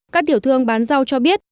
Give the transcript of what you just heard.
các tiểu thương bán rau cho biết